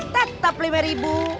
tetap lima ribu